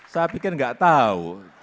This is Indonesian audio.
saya pikir enggak tahu